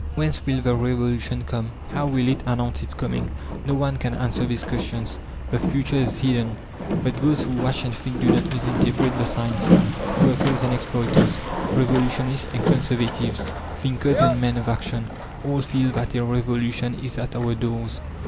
Whence will the revolution come? how will it announce its coming? No one can answer these questions. The future is hidden. But those who watch and think do not misinterpret the signs: workers and exploiters, Revolutionists and Conservatives, thinkers and men of action, all feel that a revolution is at our doors.